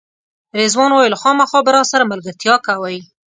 رضوان وویل خامخا به راسره ملګرتیا کوئ.